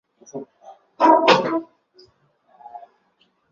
我帮不了你们